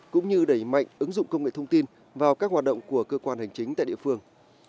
cũng như đẩy mạnh ứng dụng công nghệ thông tin vào các hoạt động của cơ quan hành chính tại địa phương